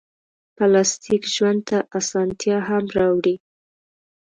پلاستيک ژوند ته اسانتیا هم راوړي.